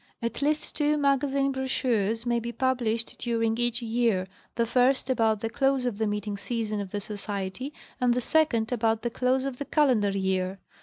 At least two magazine brochures may be published during each year, the first about the close of the meeting season of the Society, and the second about the close of the calendar year.